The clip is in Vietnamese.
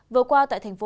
vừa qua tại thành phố